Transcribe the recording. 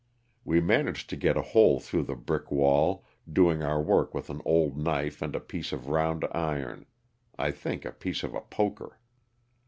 We managed to get a hole through the brick wall, doing our work with an old knife and a piece of round iron — I think a piece of a poker.